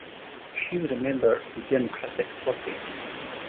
She was a member of the Democratic Party.